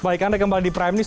baik anda kembali di prime news